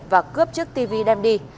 và cướp chiếc tv đem đi